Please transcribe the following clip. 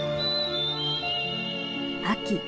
秋。